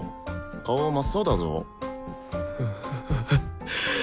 顔真っ青だぞ。